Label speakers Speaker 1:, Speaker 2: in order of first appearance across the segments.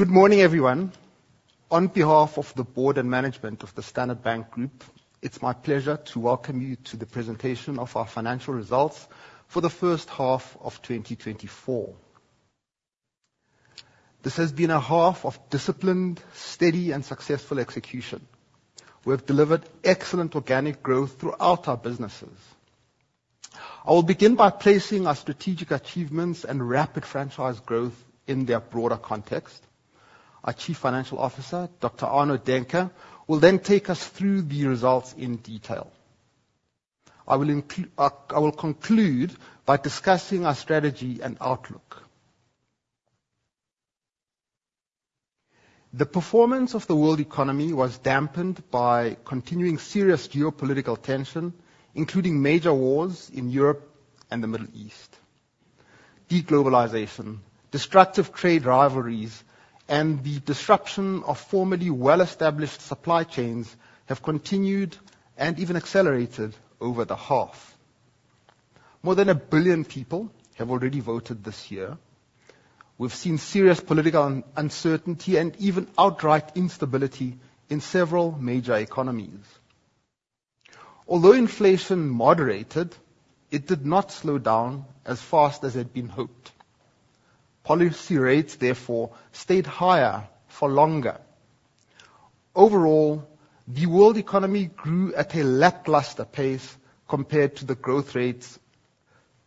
Speaker 1: Good morning, everyone. On behalf of the board and management of the Standard Bank Group, it's my pleasure to welcome you to the presentation of our financial results for the first half of 2024. This has been a half of disciplined, steady, and successful execution. We have delivered excellent organic growth throughout our businesses. I will begin by placing our strategic achievements and rapid franchise growth in their broader context. Our Chief Financial Officer, Dr. Arno Daehnke, will then take us through the results in detail. I will conclude by discussing our strategy and outlook. The performance of the world economy was dampened by continuing serious geopolitical tension, including major wars in Europe and the Middle East. Deglobalization, destructive trade rivalries, and the disruption of formerly well-established supply chains have continued and even accelerated over the half. More than a billion people have already voted this year. We've seen serious political uncertainty and even outright instability in several major economies. Although inflation moderated, it did not slow down as fast as had been hoped. Policy rates, therefore, stayed higher for longer. Overall, the world economy grew at a lackluster pace compared to the growth rates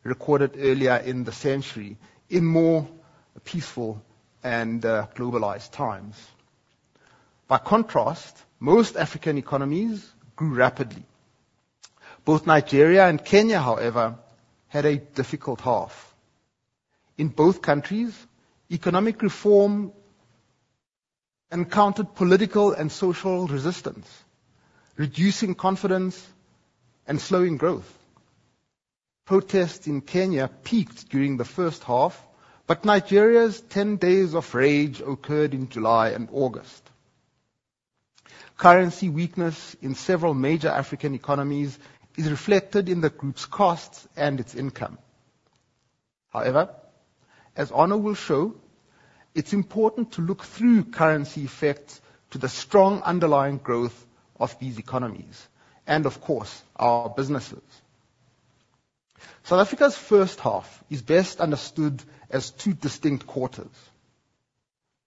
Speaker 1: recorded earlier in the century in more peaceful and globalized times. By contrast, most African economies grew rapidly. Both Nigeria and Kenya, however, had a difficult half. In both countries, economic reform encountered political and social resistance, reducing confidence and slowing growth. Protests in Kenya peaked during the first half, but Nigeria's ten days of rage occurred in July and August. Currency weakness in several major African economies is reflected in the group's costs and its income. However, as Arno will show, it's important to look through currency effects to the strong underlying growth of these economies and, of course, our businesses. South Africa's first half is best understood as two distinct quarters.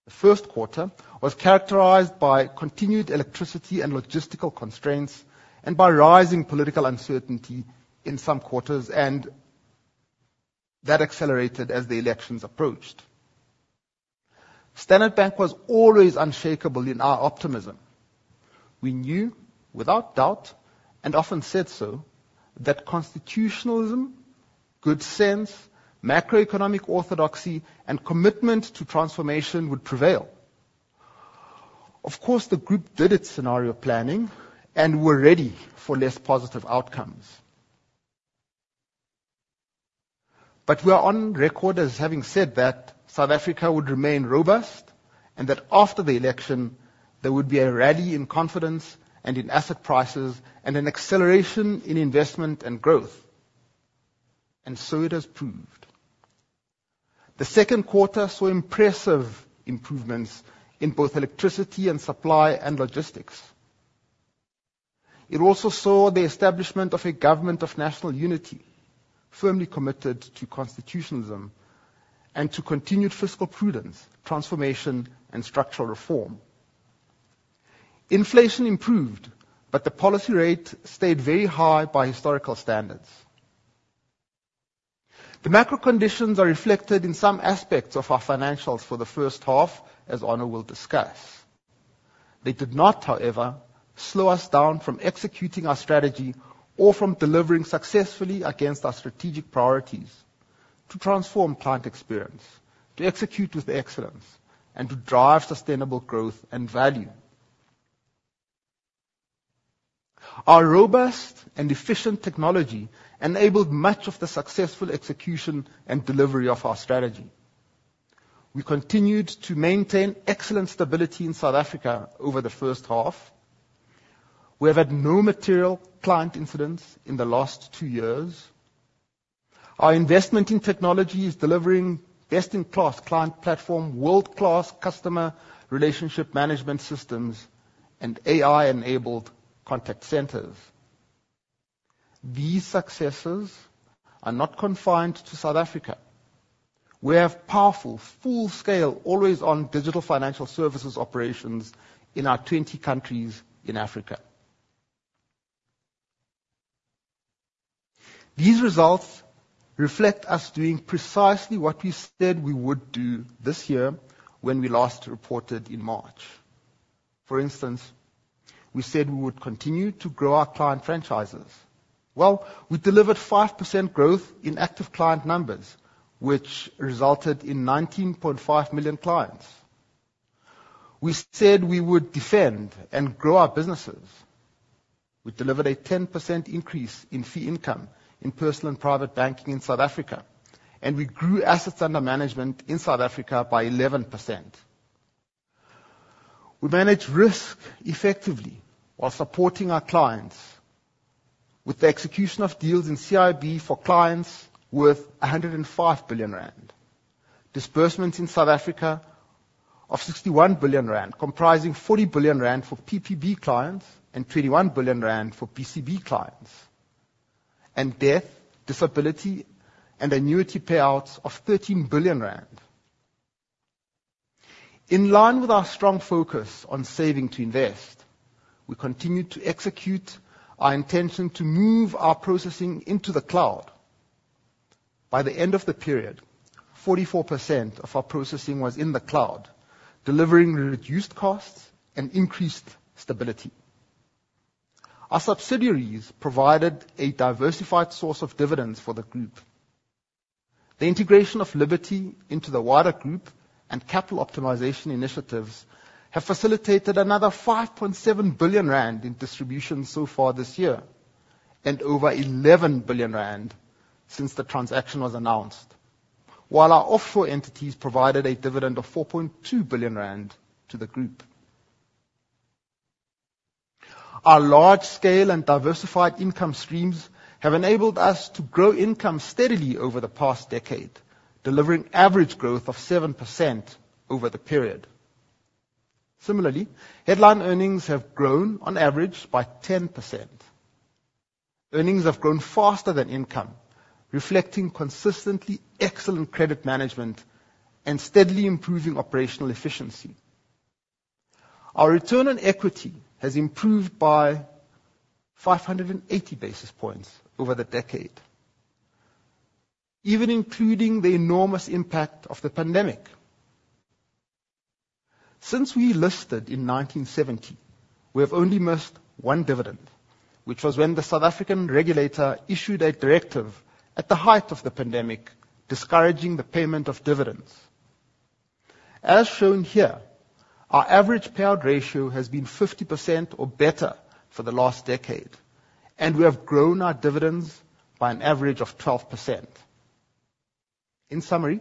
Speaker 1: The first quarter was characterized by continued electricity and logistical constraints and by rising political uncertainty in some quarters, and that accelerated as the elections approached. Standard Bank was always unshakable in our optimism. We knew without doubt, and often said so, that constitutionalism, good sense, macroeconomic orthodoxy, and commitment to transformation would prevail. Of course, the group did its scenario planning and were ready for less positive outcomes. But we are on record as having said that South Africa would remain robust, and that after the election, there would be a rally in confidence and in asset prices, and an acceleration in investment and growth, and so it has proved. The second quarter saw impressive improvements in both electricity and supply and logistics. It also saw the establishment of a government of national unity, firmly committed to constitutionalism and to continued fiscal prudence, transformation, and structural reform. Inflation improved, but the policy rate stayed very high by historical standards. The macro conditions are reflected in some aspects of our financials for the first half, as Arno will discuss. They did not, however, slow us down from executing our strategy or from delivering successfully against our strategic priorities to transform client experience, to execute with excellence, and to drive sustainable growth and value. Our robust and efficient technology enabled much of the successful execution and delivery of our strategy. We continued to maintain excellent stability in South Africa over the first half. We have had no material client incidents in the last two years. Our investment in technology is delivering best-in-class client platform, world-class customer relationship management systems, and AI-enabled contact centers. These successes are not confined to South Africa. We have powerful, full-scale, always-on digital financial services operations in our 20 countries in Africa. These results reflect us doing precisely what we said we would do this year when we last reported in March. For instance, we said we would continue to grow our client franchises. Well, we delivered 5% growth in active client numbers, which resulted in 19.5 million clients. We said we would defend and grow our businesses. We delivered a 10% increase in fee income in personal and private banking in South Africa, and we grew assets under management in South Africa by 11%.... We manage risk effectively while supporting our clients with the execution of deals in CIB for clients worth 105 billion rand. Disbursement in South Africa of 61 billion rand, comprising 40 billion rand for PPB clients and 21 billion rand for PCB clients, and death, disability, and annuity payouts of 13 billion rand. In line with our strong focus on saving to invest, we continued to execute our intention to move our processing into the cloud. By the end of the period, 44% of our processing was in the cloud, delivering reduced costs and increased stability. Our subsidiaries provided a diversified source of dividends for the group. The integration of Liberty into the wider group and capital optimization initiatives have facilitated another 5.7 billion rand in distribution so far this year, and over 11 billion rand since the transaction was announced. While our offshore entities provided a dividend of 4.2 billion rand to the group. Our large scale and diversified income streams have enabled us to grow income steadily over the past decade, delivering average growth of 7% over the period. Similarly, headline earnings have grown on average by 10%. Earnings have grown faster than income, reflecting consistently excellent credit management and steadily improving operational efficiency. Our return on equity has improved by 580 basis points over the decade, even including the enormous impact of the pandemic. Since we listed in 1970, we have only missed one dividend, which was when the South African regulator issued a directive at the height of the pandemic, discouraging the payment of dividends. As shown here, our average payout ratio has been 50% or better for the last decade, and we have grown our dividends by an average of 12%. In summary,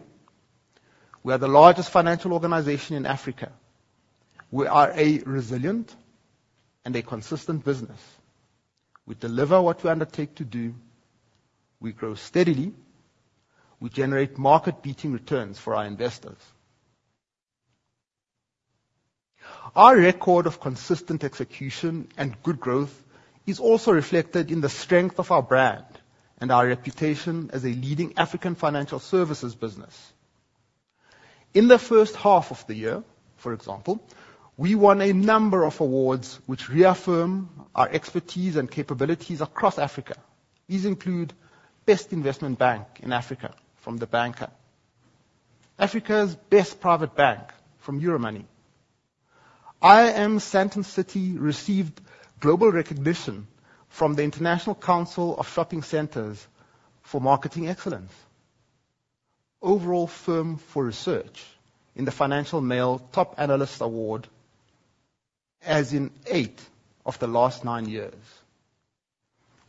Speaker 1: we are the largest financial organization in Africa. We are a resilient and a consistent business. We deliver what we undertake to do. We grow steadily. We generate market-beating returns for our investors. Our record of consistent execution and good growth is also reflected in the strength of our brand and our reputation as a leading African financial services business. In the first half of the year, for example, we won a number of awards which reaffirm our expertise and capabilities across Africa. These include Best Investment Bank in Africa from the Banker, Africa's Best Private Bank from Euromoney. I Am Sandton City received global recognition from the International Council of Shopping Centers for marketing excellence. Overall Firm for Research in the Financial Mail Top Analyst Award, as in eight of the last nine years.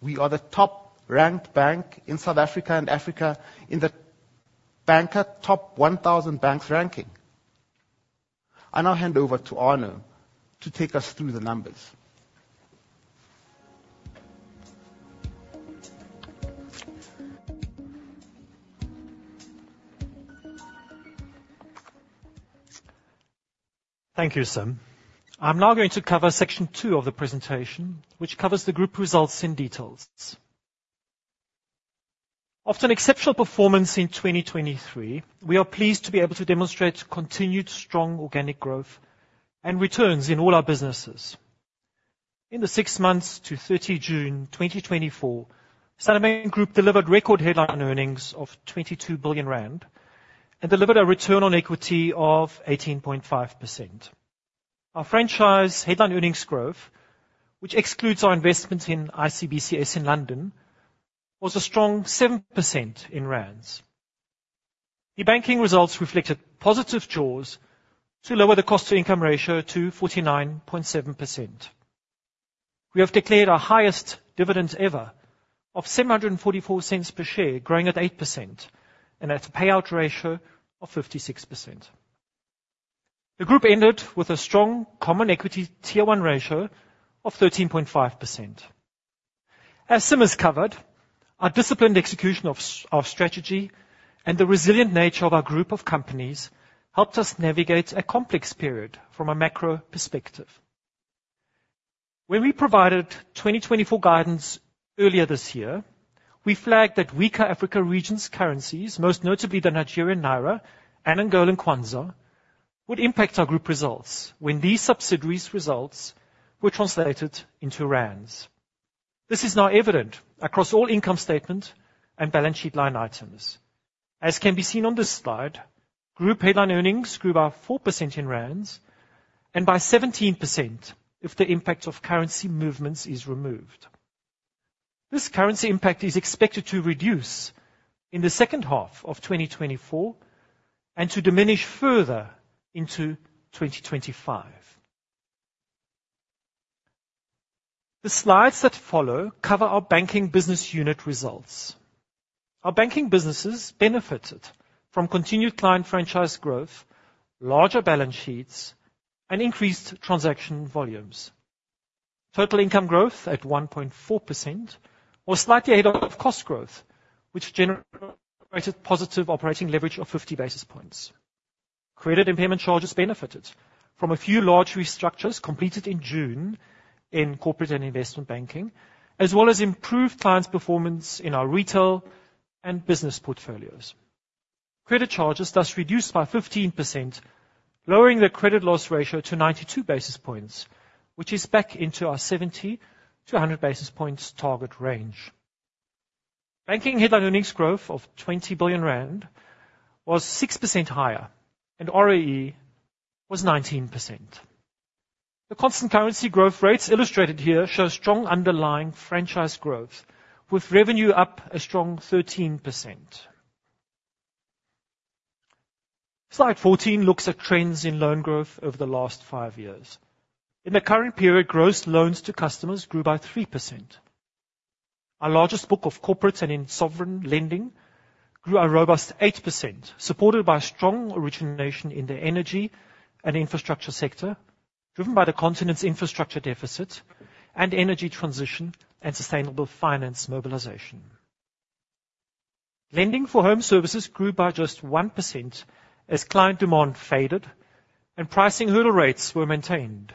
Speaker 1: We are the top-ranked bank in South Africa and Africa in the Banker Top One Thousand Banks ranking. I now hand over to Arno to take us through the numbers.
Speaker 2: Thank you, Sim. I'm now going to cover section two of the presentation, which covers the group results in detail. After an exceptional performance in 2023, we are pleased to be able to demonstrate continued strong organic growth and returns in all our businesses. In the six months to 30 June 2024, Standard Bank Group delivered record headline earnings of 22 billion rand and delivered a return on equity of 18.5%. Our franchise headline earnings growth, which excludes our investment in ICBCS in London, was a strong 7% in rands. The banking results reflected positive jaws to lower the cost-to-income ratio to 49.7%. We have declared our highest dividend ever of 7.44 per share, growing at 8%, and at a payout ratio of 56%. The group ended with a strong common equity Tier 1 ratio of 13.5%. As Sim has covered, our disciplined execution of our strategy and the resilient nature of our group of companies helped us navigate a complex period from a macro perspective. When we provided 2024 guidance earlier this year, we flagged that weaker Africa Regions currencies, most notably the Nigerian naira and Angolan kwanza, would impact our group results when these subsidiaries results were translated into rands. This is now evident across all income statement and balance sheet line items. As can be seen on this slide, group headline earnings grew by 4% in rands and by 17% if the impact of currency movements is removed. This currency impact is expected to reduce in the second half of 2024 and to diminish further into 2025.... The slides that follow cover our banking business unit results. Our banking businesses benefited from continued client franchise growth, larger balance sheets, and increased transaction volumes. Total income growth at 1.4% was slightly ahead of cost growth, which generated positive operating leverage of 50 basis points. Credit impairment charges benefited from a few large restructures completed in June in corporate and investment banking, as well as improved client performance in our retail and business portfolios. Credit charges thus reduced by 15%, lowering the credit loss ratio to 92 basis points, which is back into our 70-100 basis points target range. Banking headline earnings growth of 20 billion rand was 6% higher, and ROE was 19%. The constant currency growth rates illustrated here show strong underlying franchise growth, with revenue up a strong 13%. Slide 14 looks at trends in loan growth over the last five years. In the current period, gross loans to customers grew by 3%. Our largest book of corporates and in sovereign lending grew a robust 8%, supported by strong origination in the energy and infrastructure sector, driven by the continent's infrastructure deficit and energy transition and sustainable finance mobilization. Lending for home services grew by just 1% as client demand faded and pricing hurdle rates were maintained.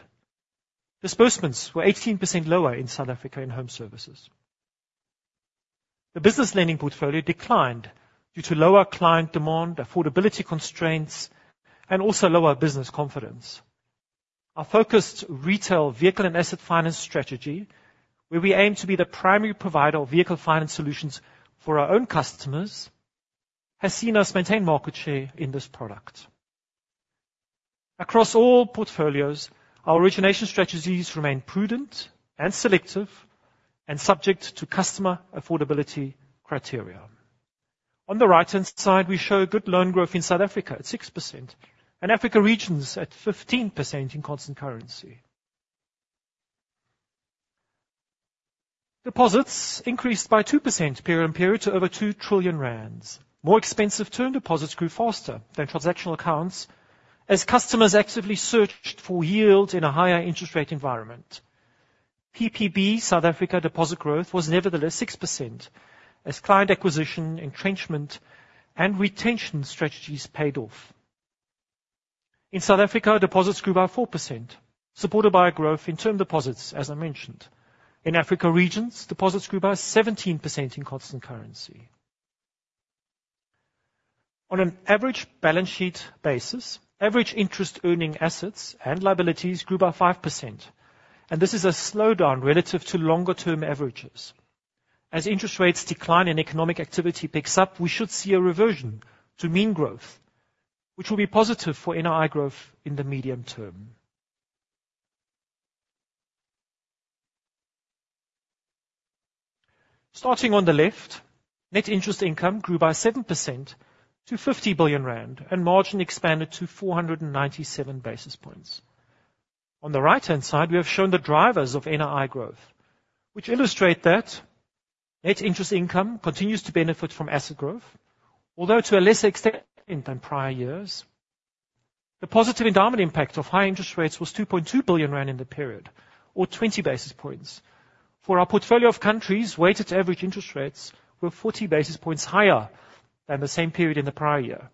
Speaker 2: Disbursements were 18% lower in South Africa in Home Services. The business lending portfolio declined due to lower client demand, affordability constraints, and also lower business confidence. Our focused retail vehicle and asset finance strategy, where we aim to be the primary provider of vehicle finance solutions for our own customers, has seen us maintain market share in this product. Across all portfolios, our origination strategies remain prudent and selective and subject to customer affordability criteria. On the right-hand side, we show good loan growth in South Africa at 6% and Africa Regions at 15% in constant currency. Deposits increased by 2% period on period to over 2 trillion rand. More expensive term deposits grew faster than transactional accounts as customers actively searched for yield in a higher interest rate environment. PPB South Africa deposit growth was nevertheless 6%, as client acquisition, entrenchment, and retention strategies paid off. In South Africa, deposits grew by 4%, supported by a growth in term deposits, as I mentioned. In Africa Regions, deposits grew by 17% in constant currency. On an average balance sheet basis, average interest earning assets and liabilities grew by 5%, and this is a slowdown relative to longer-term averages. As interest rates decline and economic activity picks up, we should see a reversion to mean growth, which will be positive for NII growth in the medium term. Starting on the left, net interest income grew by 7% to 50 billion rand, and margin expanded to 497 basis points. On the right-hand side, we have shown the drivers of NII growth, which illustrate that net interest income continues to benefit from asset growth, although to a lesser extent than prior years. The positive endowment impact of high interest rates was 2.2 billion rand in the period, or 20 basis points. For our portfolio of countries, weighted average interest rates were 40 basis points higher than the same period in the prior year.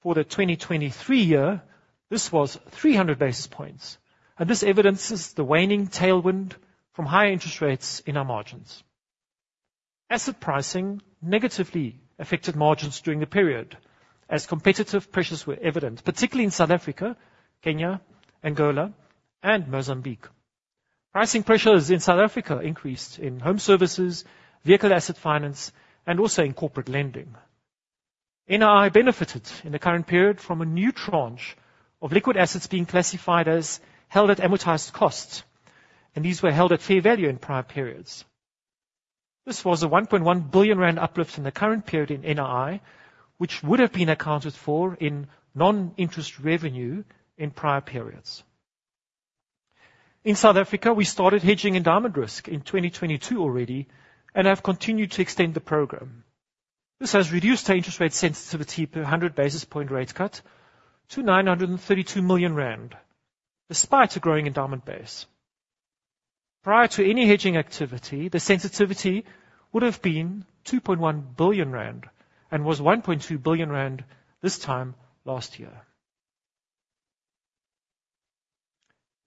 Speaker 2: For the 2023 year, this was 300 basis points, and this evidences the waning tailwind from higher interest rates in our margins. Asset pricing negatively affected margins during the period as competitive pressures were evident, particularly in South Africa, Kenya, Angola, and Mozambique. Pricing pressures in South Africa increased in home services, vehicle asset finance, and also in corporate lending. NII benefited in the current period from a new tranche of liquid assets being classified as held at amortized costs, and these were held at fair value in prior periods. This was a 1.1 billion rand uplift in the current period in NII, which would have been accounted for in non-interest revenue in prior periods. In South Africa, we started hedging endowment risk in 2022 already and have continued to extend the program. This has reduced our interest rate sensitivity per 100 basis point rate cut to 932 million rand, despite a growing endowment base. Prior to any hedging activity, the sensitivity would have been 2.1 billion rand and was 1.2 billion rand this time last year.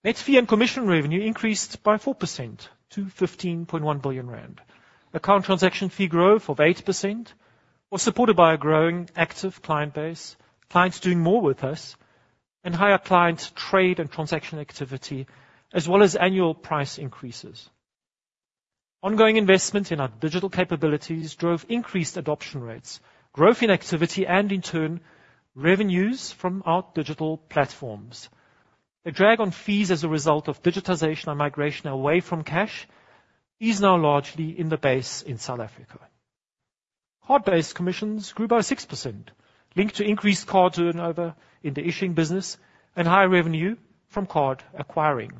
Speaker 2: Net fee and commission revenue increased by 4% to 15.1 billion rand. Account transaction fee growth of 8% was supported by a growing active client base, clients doing more with us, and higher client trade and transaction activity, as well as annual price increases. Ongoing investment in our digital capabilities drove increased adoption rates, growth in activity, and in turn, revenues from our digital platforms. A drag on fees as a result of digitization and migration away from cash is now largely in the base in South Africa.... Card-based commissions grew by 6%, linked to increased card turnover in the issuing business and higher revenue from card acquiring,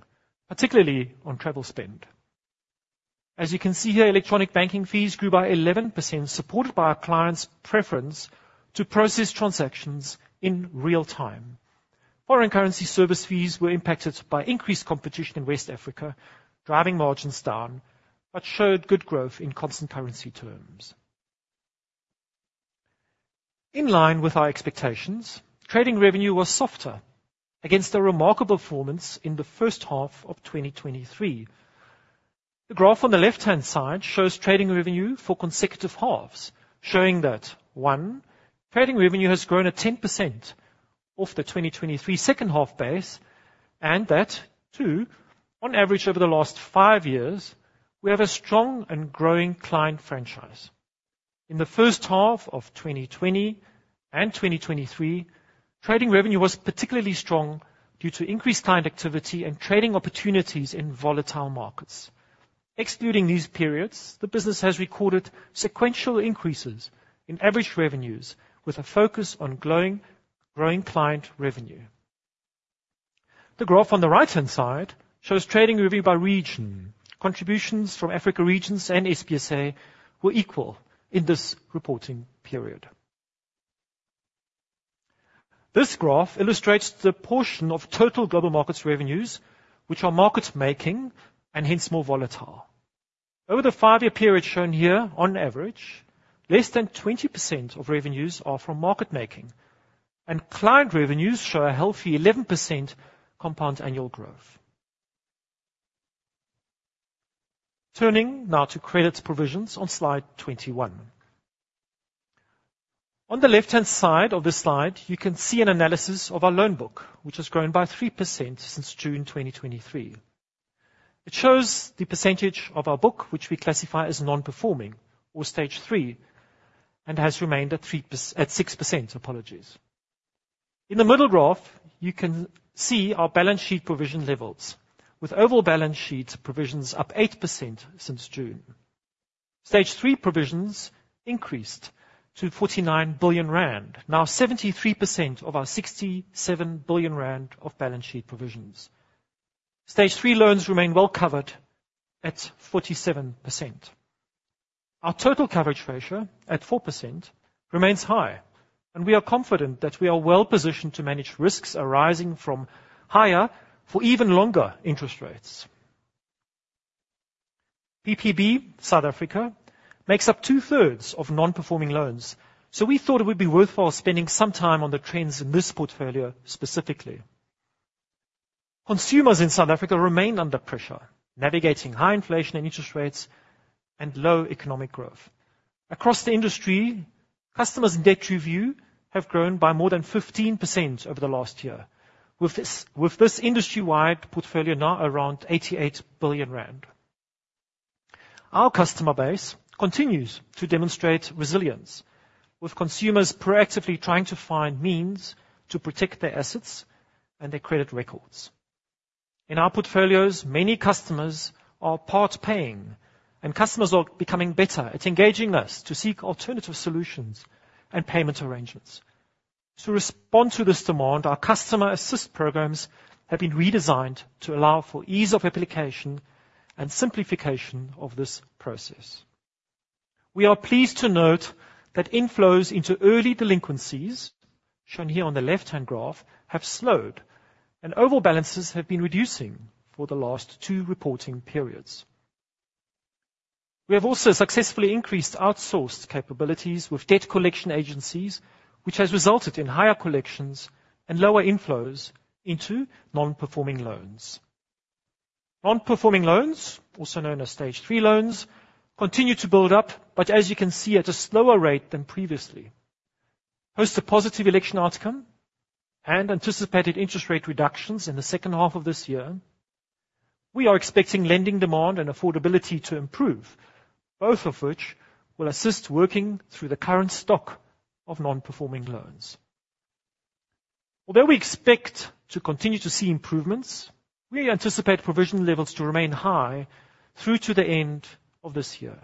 Speaker 2: particularly on travel spend. As you can see here, electronic banking fees grew by 11%, supported by our clients' preference to process transactions in real time. Foreign currency service fees were impacted by increased competition in West Africa, driving margins down, but showed good growth in constant currency terms. In line with our expectations, trading revenue was softer against a remarkable performance in the first half of 2023. The graph on the left-hand side shows trading revenue for consecutive halves, showing that, 1, trading revenue has grown at 10% off the 2023 second half base, and that, 2, on average over the last 5 years, we have a strong and growing client franchise. In the first half of 2020 and 2023, trading revenue was particularly strong due to increased client activity and trading opportunities in volatile markets. Excluding these periods, the business has recorded sequential increases in average revenues with a focus on growing client revenue. The graph on the right-hand side shows trading revenue by region. Contributions from Africa Regions and SBSA were equal in this reporting period. This graph illustrates the portion of total global markets revenues, which are market making and hence more volatile. Over the 5-year period shown here, on average, less than 20% of revenues are from market making, and client revenues show a healthy 11% compound annual growth. Turning now to credit provisions on slide 21. On the left-hand side of this slide, you can see an analysis of our loan book, which has grown by 3% since June 2023. It shows the percentage of our book, which we classify as non-performing, or Stage 3, and has remained at 6%, apologies. In the middle graph, you can see our balance sheet provision levels, with overall balance sheet provisions up 8% since June. Stage 3 provisions increased to 49 billion rand, now 73% of our 67 billion rand of balance sheet provisions. Stage 3 loans remain well covered at 47%. Our total coverage ratio, at 4%, remains high, and we are confident that we are well positioned to manage risks arising from higher for even longer interest rates. PPB, South Africa, makes up two-thirds of non-performing loans, so we thought it would be worthwhile spending some time on the trends in this portfolio, specifically. Consumers in South Africa remain under pressure, navigating high inflation and interest rates and low economic growth. Across the industry, customers in debt review have grown by more than 15% over the last year. With this industry-wide portfolio now around 88 billion rand. Our customer base continues to demonstrate resilience, with consumers proactively trying to find means to protect their assets and their credit records. In our portfolios, many customers are part paying, and customers are becoming better at engaging us to seek alternative solutions and payment arrangements. To respond to this demand, our customer assist programs have been redesigned to allow for ease of application and simplification of this process. We are pleased to note that inflows into early delinquencies, shown here on the left-hand graph, have slowed, and overall balances have been reducing for the last 2 reporting periods. We have also successfully increased outsourced capabilities with debt collection agencies, which has resulted in higher collections and lower inflows into non-performing loans. Non-performing loans, also known as Stage 3 loans, continue to build up, but as you can see, at a slower rate than previously. Post a positive election outcome and anticipated interest rate reductions in the second half of this year, we are expecting lending demand and affordability to improve, both of which will assist working through the current stock of non-performing loans. Although we expect to continue to see improvements, we anticipate provision levels to remain high through to the end of this year.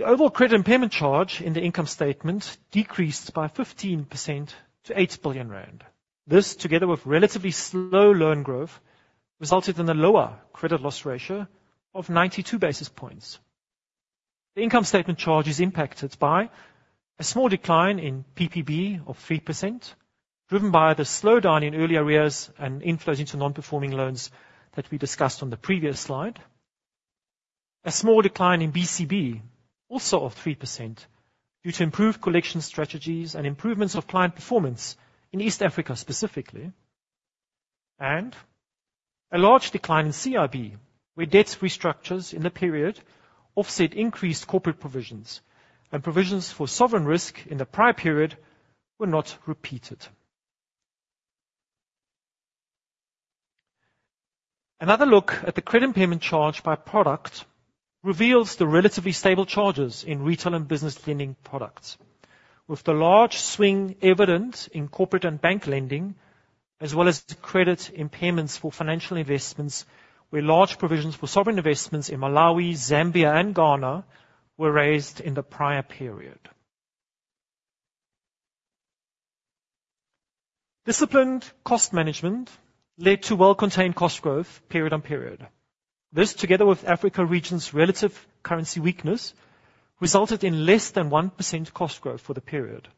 Speaker 2: The overall credit and payment charge in the income statement decreased by 15% to 8 billion rand. This, together with relatively slow loan growth, resulted in a lower credit loss ratio of 92 basis points. The income statement charge is impacted by a small decline in PPB of 3%, driven by the slowdown in early arrears and inflows into non-performing loans that we discussed on the previous slide. A small decline in BCB, also of 3%, due to improved collection strategies and improvements of client performance in East Africa, specifically. A large decline in CIB, where debt restructures in the period offset increased corporate provisions, and provisions for sovereign risk in the prior period were not repeated. Another look at the credit impairment charge by product reveals the relatively stable charges in retail and business lending products. With the large swing evident in corporate and bank lending, as well as the credit impairments for financial investments, where large provisions for sovereign investments in Malawi, Zambia, and Ghana were raised in the prior period. Disciplined cost management led to well-contained cost growth period on period. This, together with Africa region's relative currency weakness, resulted in less than 1% cost growth for the period.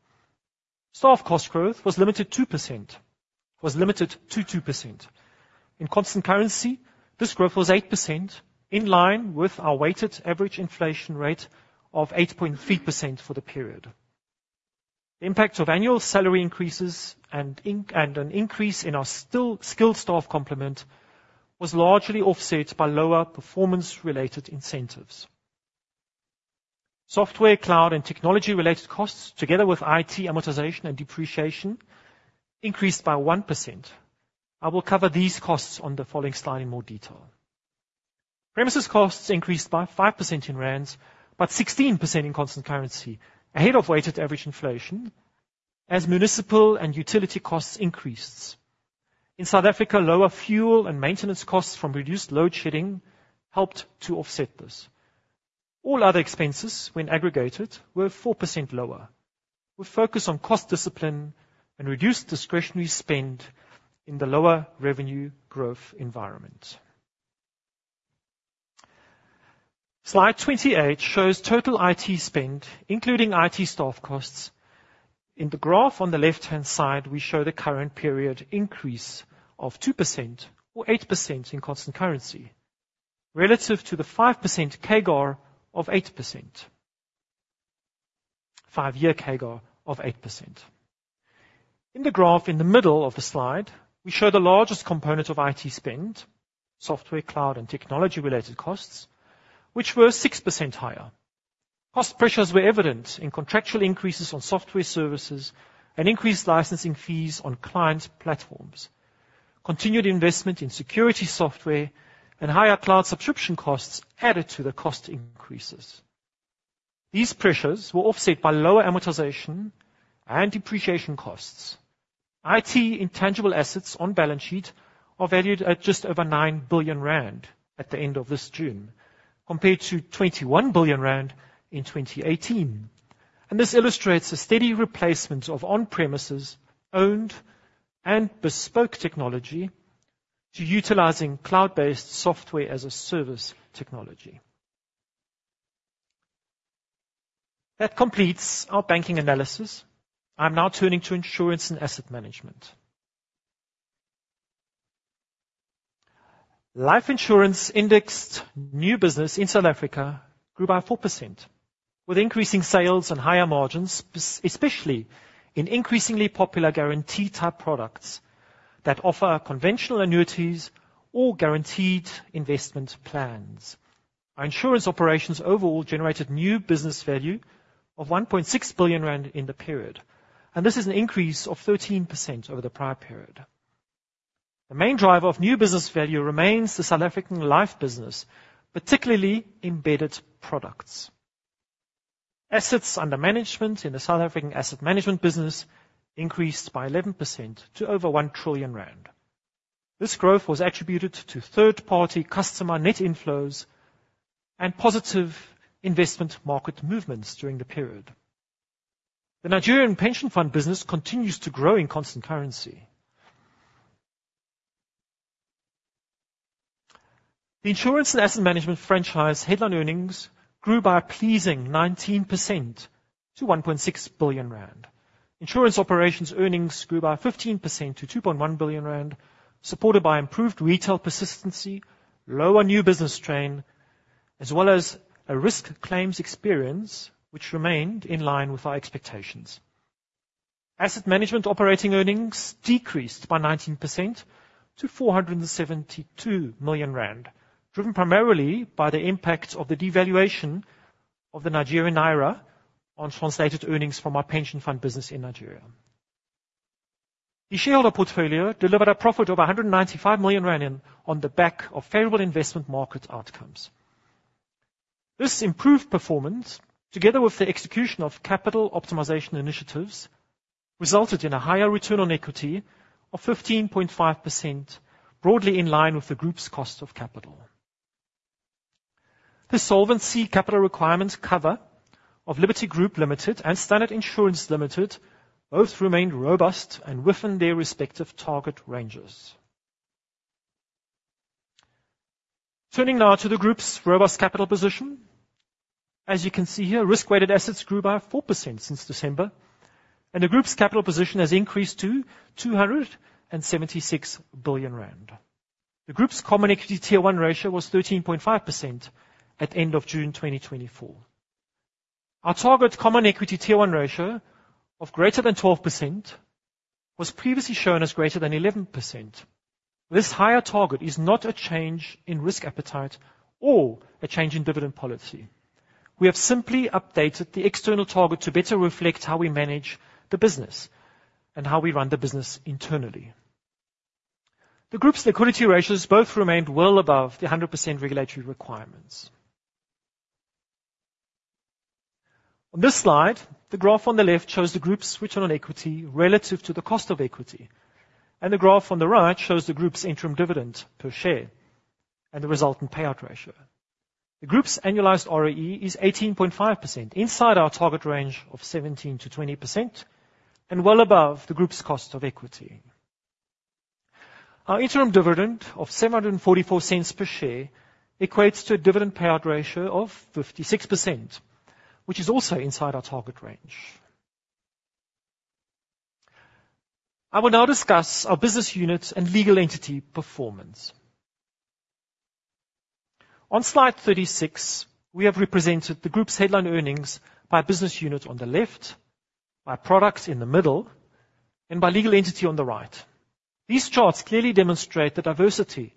Speaker 2: Staff cost growth was limited to 2%. In constant currency, this growth was 8%, in line with our weighted average inflation rate of 8.3% for the period. The impact of annual salary increases and an increase in our still skilled staff complement was largely offset by lower performance-related incentives. Software, cloud, and technology-related costs, together with IT amortization and depreciation, increased by 1%. I will cover these costs on the following slide in more detail. Premises costs increased by 5% in rands, but 16% in constant currency, ahead of weighted average inflation as municipal and utility costs increased. In South Africa, lower fuel and maintenance costs from reduced load shedding helped to offset this. All other expenses, when aggregated, were 4% lower. We focus on cost discipline and reduced discretionary spend in the lower revenue growth environment. Slide 28 shows total IT spend, including IT staff costs. In the graph on the left-hand side, we show the current period increase of 2% or 8% in constant currency, relative to the 5% CAGR of 8%. Five-year CAGR of 8%. In the graph in the middle of the slide, we show the largest component of IT spend, software, cloud, and technology-related costs, which were 6% higher. Cost pressures were evident in contractual increases on software services and increased licensing fees on client platforms. Continued investment in security software and higher cloud subscription costs added to the cost increases. These pressures were offset by lower amortization and depreciation costs. IT intangible assets on balance sheet are valued at just over 9 billion rand at the end of this June, compared to 21 billion rand in 2018, and this illustrates a steady replacement of on-premises, owned, and bespoke technology to utilizing cloud-based software as a service technology. That completes our banking analysis. I'm now turning to insurance and asset management. Life insurance indexed new business in South Africa grew by 4%, with increasing sales and higher margins, especially in increasingly popular guarantee-type products that offer conventional annuities or guaranteed investment plans. Our insurance operations overall generated new business value of 1.6 billion rand in the period, and this is an increase of 13% over the prior period. The main driver of new business value remains the South African life business, particularly embedded products. Assets under management in the South African asset management business increased by 11% to over 1 trillion rand. This growth was attributed to third-party customer net inflows and positive investment market movements during the period. The Nigerian pension fund business continues to grow in constant currency. The insurance and asset management franchise headline earnings grew by a pleasing 19% to 1.6 billion rand. Insurance operations earnings grew by 15% to 2.1 billion rand, supported by improved retail persistency, lower new business strain, as well as a risk claims experience, which remained in line with our expectations. Asset management operating earnings decreased by 19% to 472 million rand, driven primarily by the impact of the devaluation of the Nigerian naira on translated earnings from our pension fund business in Nigeria. The shareholder portfolio delivered a profit of 195 million on the back of favorable investment market outcomes. This improved performance, together with the execution of capital optimization initiatives, resulted in a higher return on equity of 15.5%, broadly in line with the group's cost of capital. The solvency capital requirements cover of Liberty Group Limited and Standard Insurance Limited both remained robust and within their respective target ranges. Turning now to the group's robust capital position. As you can see here, risk-weighted assets grew by 4% since December, and the group's capital position has increased to 276 billion rand. The group's common equity Tier 1 ratio was 13.5% at end of June 2024. Our target common equity Tier 1 ratio of greater than 12% was previously shown as greater than 11%. This higher target is not a change in risk appetite or a change in dividend policy. We have simply updated the external target to better reflect how we manage the business and how we run the business internally. The group's liquidity ratios both remained well above the 100% regulatory requirements. On this slide, the graph on the left shows the group's return on equity relative to the cost of equity, and the graph on the right shows the group's interim dividend per share and the resultant payout ratio. The group's annualized ROE is 18.5%, inside our target range of 17%-20%, and well above the group's cost of equity. Our interim dividend of 7.44 per share equates to a dividend payout ratio of 56%, which is also inside our target range. I will now discuss our business units and legal entity performance. On slide 36, we have represented the group's headline earnings by business unit on the left, by product in the middle, and by legal entity on the right. These charts clearly demonstrate the diversity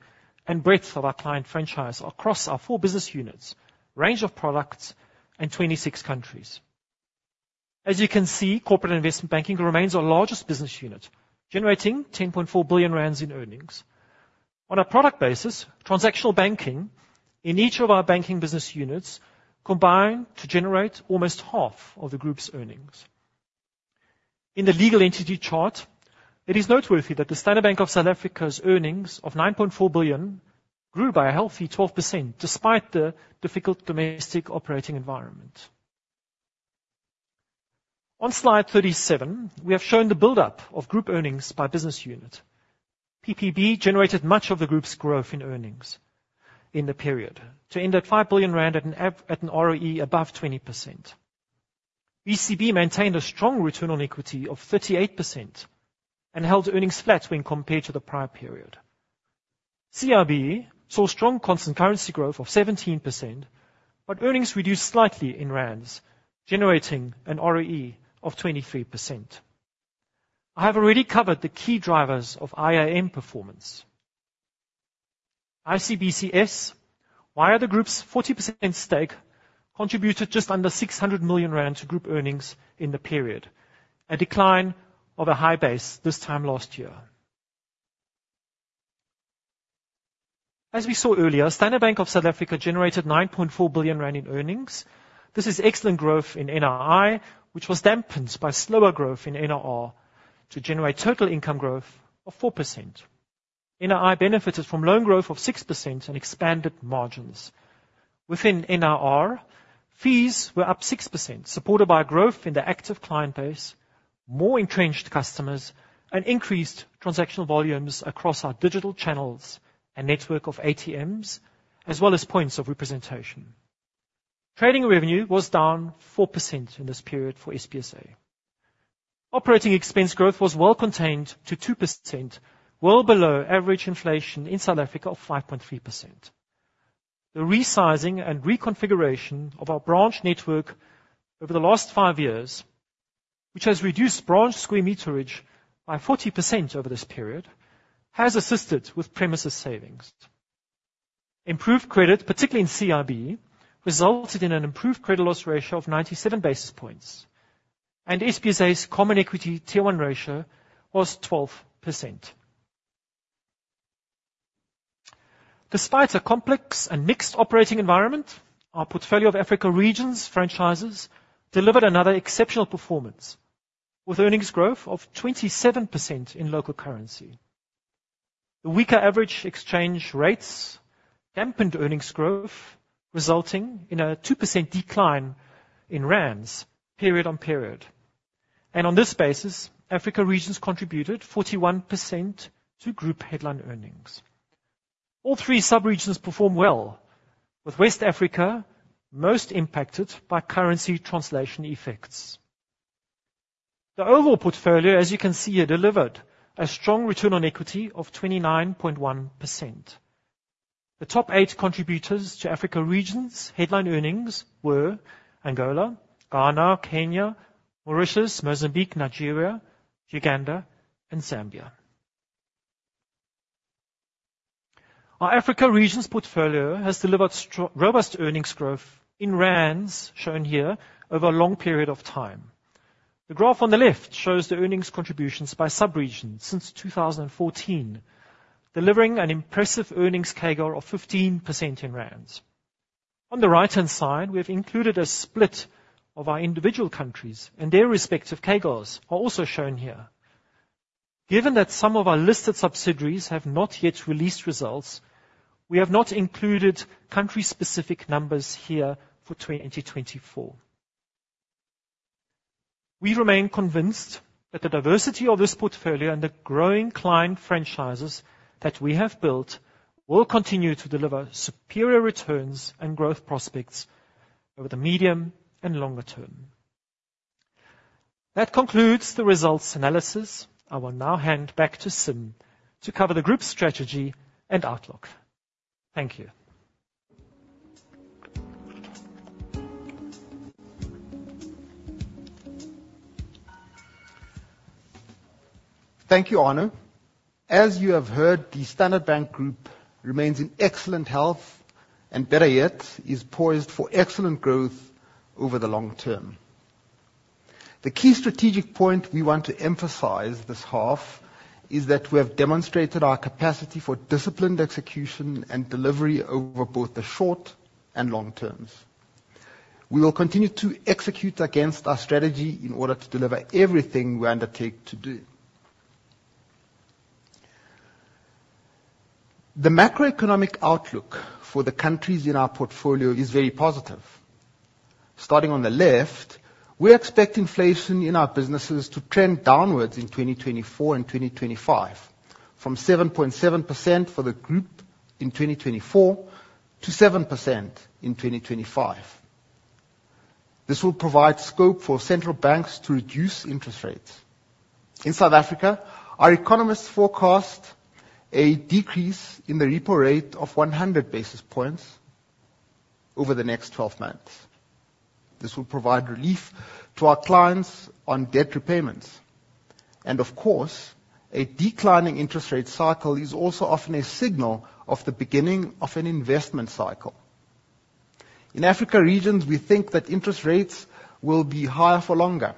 Speaker 2: and breadth of our client franchise across our four business units, range of products, in 26 countries. As you can see, corporate investment banking remains our largest business unit, generating 10.4 billion rand in earnings. On a product basis, transactional banking in each of our banking business units combined to generate almost half of the group's earnings. In the legal entity chart, it is noteworthy that the Standard Bank of South Africa's earnings of 9.4 billion grew by a healthy 12%, despite the difficult domestic operating environment. On slide 37, we have shown the buildup of group earnings by business unit. PPB generated much of the group's growth in earnings in the period, to end at 5 billion rand at an ROE above 20%. BCB maintained a strong return on equity of 38% and held earnings flat when compared to the prior period. CIB saw strong constant currency growth of 17%, but earnings reduced slightly in rands, generating an ROE of 23%. I have already covered the key drivers of IAM performance. ICBCS, while the group's 40% stake, contributed just under 600 million rand to group earnings in the period, a decline of a high base this time last year. As we saw earlier, Standard Bank of South Africa generated 9.4 billion rand in earnings. This is excellent growth in NII, which was dampened by slower growth in NRR to generate total income growth of 4%. NII benefited from loan growth of 6% and expanded margins. Within NRR, fees were up 6%, supported by growth in the active client base, more entrenched customers, and increased transactional volumes across our digital channels and network of ATMs, as well as points of representation. Trading revenue was down 4% in this period for SBSA. Operating expense growth was well contained to 2%, well below average inflation in South Africa of 5.3%. The resizing and reconfiguration of our branch network over the last five years, which has reduced branch square meterage by 40% over this period, has assisted with premises savings. Improved credit, particularly in CIB, resulted in an improved credit loss ratio of 97 basis points, and SBSA's common equity Tier 1 ratio was 12%. Despite a complex and mixed operating environment, our portfolio of Africa Regions franchises delivered another exceptional performance, with earnings growth of 27% in local currency. The weaker average exchange rates dampened earnings growth, resulting in a 2% decline in rands period-on-period. On this basis, Africa Regions contributed 41% to group headline earnings. All three sub-regions performed well, with West Africa most impacted by currency translation effects. The overall portfolio, as you can see, it delivered a strong return on equity of 29.1%. The top eight contributors to Africa Regions' headline earnings were Angola, Ghana, Kenya, Mauritius, Mozambique, Nigeria, Uganda, and Zambia. Our Africa Regions portfolio has delivered robust earnings growth in rands, shown here, over a long period of time. The graph on the left shows the earnings contributions by sub-region since 2014, delivering an impressive earnings CAGR of 15% in rands. On the right-hand side, we have included a split of our individual countries, and their respective CAGRs are also shown here. Given that some of our listed subsidiaries have not yet released results, we have not included country-specific numbers here for 2024. We remain convinced that the diversity of this portfolio and the growing client franchises that we have built will continue to deliver superior returns and growth prospects over the medium and longer term. That concludes the results analysis. I will now hand back to Sim to cover the group's strategy and outlook. Thank you.
Speaker 1: Thank you, Arno. As you have heard, the Standard Bank Group remains in excellent health, and better yet, is poised for excellent growth over the long term. The key strategic point we want to emphasize this half is that we have demonstrated our capacity for disciplined execution and delivery over both the short and long terms. We will continue to execute against our strategy in order to deliver everything we undertake to do. The macroeconomic outlook for the countries in our portfolio is very positive. Starting on the left, we expect inflation in our businesses to trend downwards in 2024 and 2025, from 7.7% for the group in 2024 to 7% in 2025. This will provide scope for central banks to reduce interest rates. In South Africa, our economists forecast a decrease in the repo rate of 100 basis points over the next 12 months. This will provide relief to our clients on debt repayments, and of course, a declining interest rate cycle is also often a signal of the beginning of an investment cycle. In Africa Regions, we think that interest rates will be higher for longer,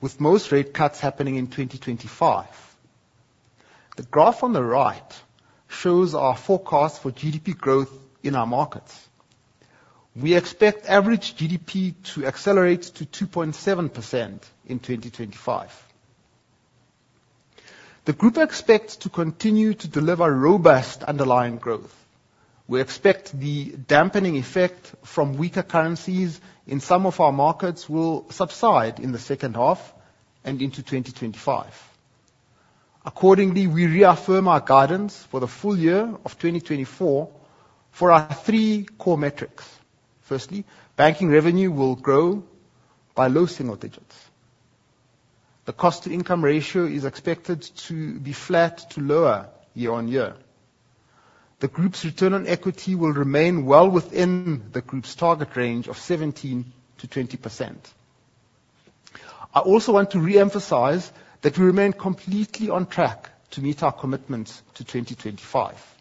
Speaker 1: with most rate cuts happening in 2025. The graph on the right shows our forecast for GDP growth in our markets. We expect average GDP to accelerate to 2.7% in 2025. The group expects to continue to deliver robust underlying growth. We expect the dampening effect from weaker currencies in some of our markets will subside in the second half and into 2025. Accordingly, we reaffirm our guidance for the full year of 2024 for our three core metrics. Firstly, banking revenue will grow by low single digits. The cost-to-income ratio is expected to be flat to lower year-on-year. The group's return on equity will remain well within the group's target range of 17%-20%. I also want to reemphasize that we remain completely on track to meet our commitments to 2025.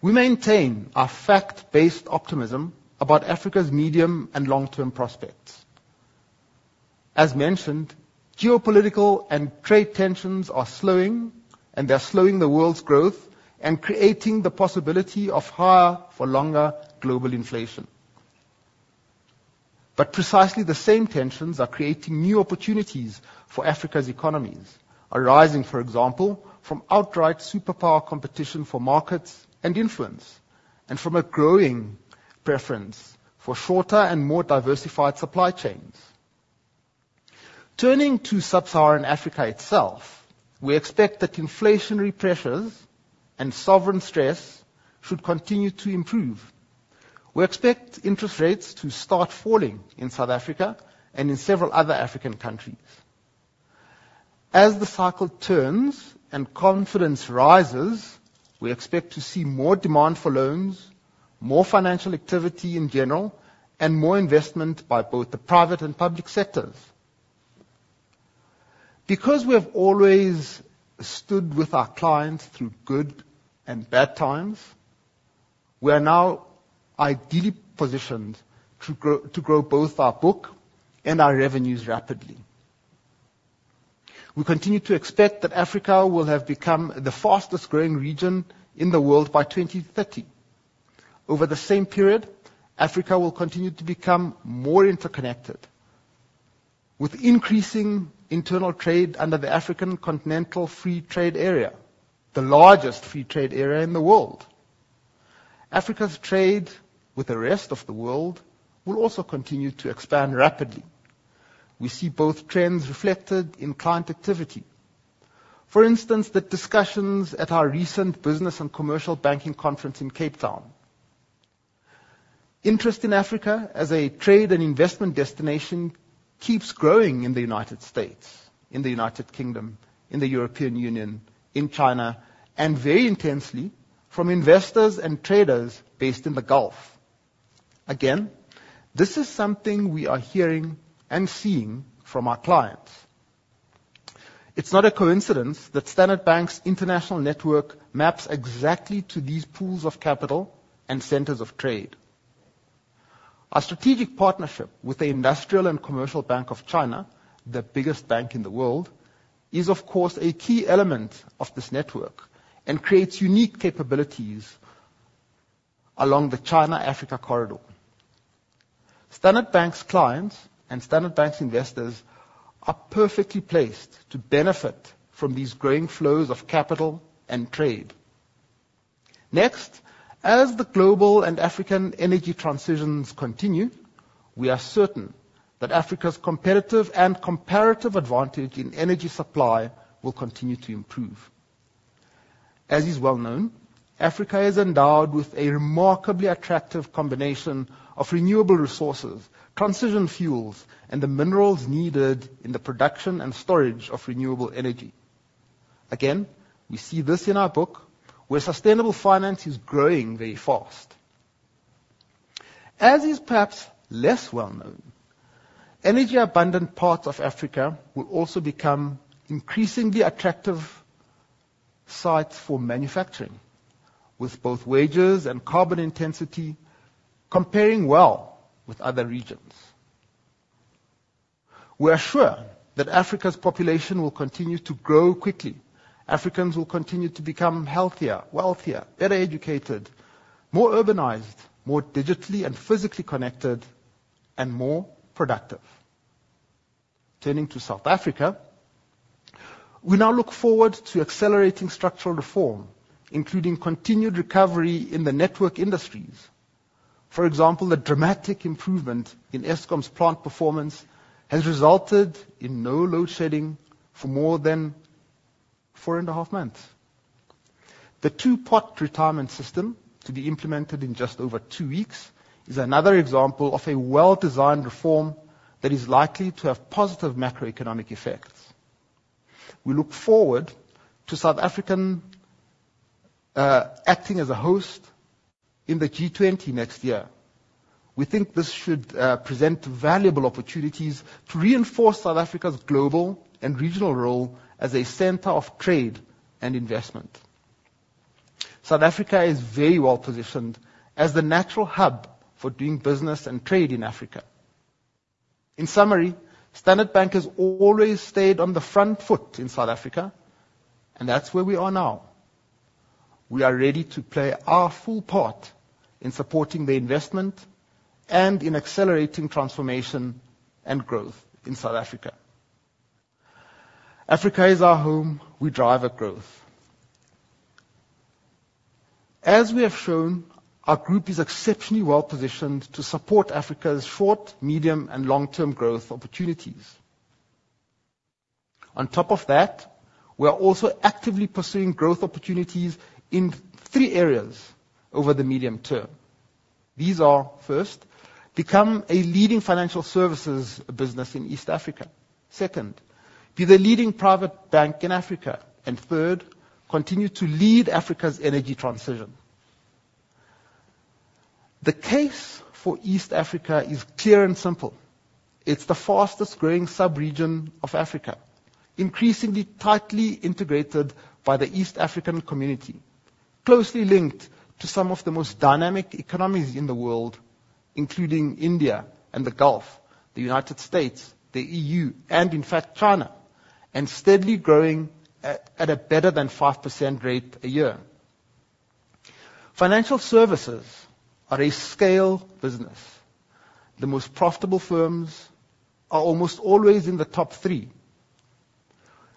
Speaker 1: We maintain our fact-based optimism about Africa's medium and long-term prospects. As mentioned, geopolitical and trade tensions are slowing, and they are slowing the world's growth and creating the possibility of higher for longer global inflation. But precisely the same tensions are creating new opportunities for Africa's economies, arising, for example, from outright superpower competition for markets and influence, and from a growing preference for shorter and more diversified supply chains. Turning to Sub-Saharan Africa itself, we expect that inflationary pressures and sovereign stress should continue to improve. We expect interest rates to start falling in South Africa and in several other African countries. As the cycle turns and confidence rises, we expect to see more demand for loans, more financial activity in general, and more investment by both the private and public sectors. Because we have always stood with our clients through good and bad times, we are now ideally positioned to grow, to grow both our book and our revenues rapidly. We continue to expect that Africa will have become the fastest-growing region in the world by 2030. Over the same period, Africa will continue to become more interconnected, with increasing internal trade under the African Continental Free Trade Area, the largest free trade area in the world. Africa's trade with the rest of the world will also continue to expand rapidly. We see both trends reflected in client activity. For instance, the discussions at our recent Business and Commercial Banking Conference in Cape Town. Interest in Africa as a trade and investment destination keeps growing in the United States, in the United Kingdom, in the European Union, in China, and very intensely from investors and traders based in the Gulf. Again, this is something we are hearing and seeing from our clients. It's not a coincidence that Standard Bank's international network maps exactly to these pools of capital and centers of trade. Our strategic partnership with the Industrial and Commercial Bank of China, the biggest bank in the world, is, of course, a key element of this network and creates unique capabilities along the China-Africa corridor. Standard Bank's clients and Standard Bank's investors are perfectly placed to benefit from these growing flows of capital and trade. Next, as the global and African energy transitions continue, we are certain that Africa's competitive and comparative advantage in energy supply will continue to improve. As is well known, Africa is endowed with a remarkably attractive combination of renewable resources, transition fuels, and the minerals needed in the production and storage of renewable energy. Again, we see this in our book, where sustainable finance is growing very fast. As is perhaps less well known, energy abundant parts of Africa will also become increasingly attractive sites for manufacturing, with both wages and carbon intensity comparing well with other regions. We are sure that Africa's population will continue to grow quickly. Africans will continue to become healthier, wealthier, better educated, more urbanized, more digitally and physically connected, and more productive. Turning to South Africa, we now look forward to accelerating structural reform, including continued recovery in the network industries. For example, the dramatic improvement in Eskom's plant performance has resulted in no load shedding for more than 4.5 months. The Two-Pot retirement system, to be implemented in just over 2 weeks, is another example of a well-designed reform that is likely to have positive macroeconomic effects. We look forward to South African acting as a host in the G20 next year. We think this should present valuable opportunities to reinforce South Africa's global and regional role as a center of trade and investment. South Africa is very well positioned as the natural hub for doing business and trade in Africa. In summary, Standard Bank has always stayed on the front foot in South Africa, and that's where we are now. We are ready to play our full part in supporting the investment and in accelerating transformation and growth in South Africa. Africa is our home. We drive at growth. As we have shown, our group is exceptionally well positioned to support Africa's short, medium, and long-term growth opportunities. On top of that, we are also actively pursuing growth opportunities in three areas over the medium term. These are, first, become a leading financial services business in East Africa. Second, be the leading private bank in Africa. And third, continue to lead Africa's energy transition. The case for East Africa is clear and simple. It's the fastest growing sub-region of Africa, increasingly tightly integrated by the East African community, closely linked to some of the most dynamic economies in the world, including India and the Gulf, the United States, the EU, and in fact, China, and steadily growing at a better than 5% rate a year. Financial services are a scale business. The most profitable firms are almost always in the top three.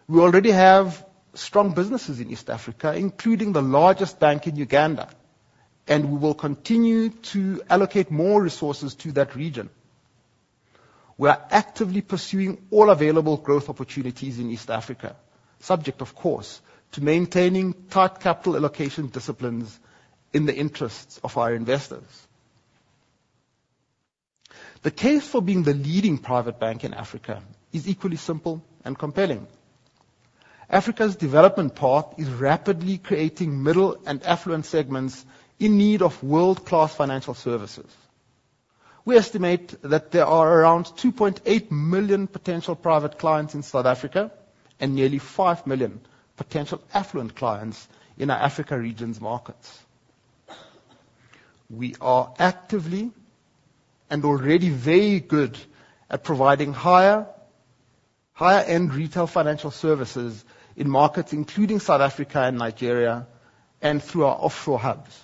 Speaker 1: We already have strong businesses in East Africa, including the largest bank in Uganda, and we will continue to allocate more resources to that region. We are actively pursuing all available growth opportunities in East Africa, subject, of course, to maintaining tight capital allocation disciplines in the interests of our investors. The case for being the leading private bank in Africa is equally simple and compelling. Africa's development path is rapidly creating middle and affluent segments in need of world-class financial services. We estimate that there are around 2.8 million potential private clients in South Africa, and nearly 5 million potential affluent clients in our Africa Regions markets. We are actively and already very good at providing higher, higher-end retail financial services in markets including South Africa and Nigeria, and through our offshore hubs.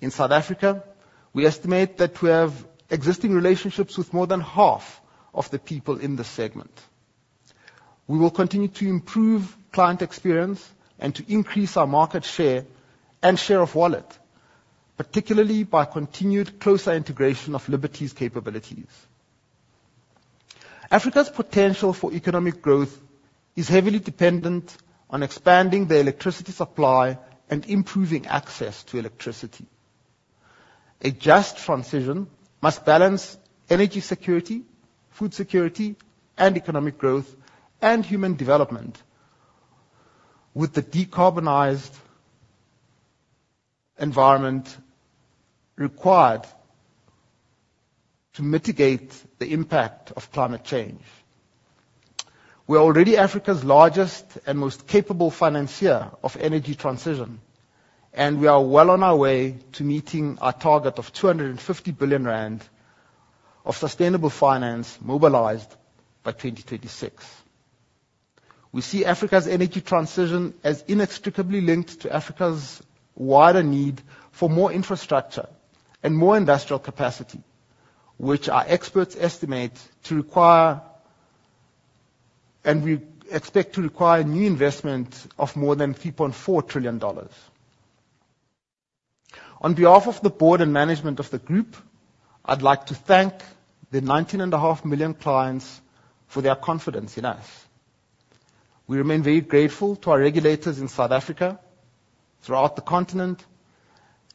Speaker 1: In South Africa, we estimate that we have existing relationships with more than half of the people in this segment. We will continue to improve client experience and to increase our market share and share of wallet, particularly by continued closer integration of Liberty's capabilities. Africa's potential for economic growth is heavily dependent on expanding the electricity supply and improving access to electricity. A just transition must balance energy security, food security, and economic growth, and human development with the decarbonized environment required to mitigate the impact of climate change. We're already Africa's largest and most capable financier of energy transition, and we are well on our way to meeting our target of 250 billion rand of sustainable finance mobilized by 2036. We see Africa's energy transition as inextricably linked to Africa's wider need for more infrastructure and more industrial capacity, which our experts estimate to require... and we expect to require new investment of more than $3.4 trillion. On behalf of the board and management of the group, I'd like to thank the 19.5 million clients for their confidence in us. We remain very grateful to our regulators in South Africa, throughout the continent,